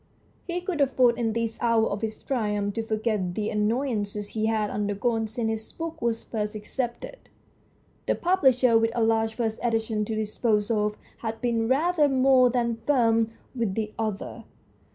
He could afford in this hour of his triumph to forget the annoyances he had undergone since his book was first accepted. The pub lisher, with a large first edition to dispose of, had been rather more than firm with the author.